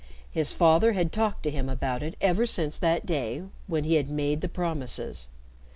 His father had talked to him about it ever since that day when he had made the promises.